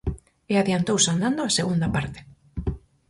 E adiantouse andando a segunda parte.